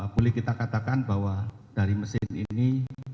boleh kita katakan bahwa dari mesin ini